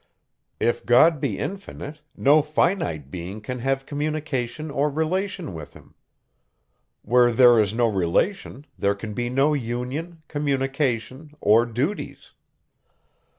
If God be infinite, no finite being can have communication or relation with him. Where there is no relation, there can be no union, communication, or duties.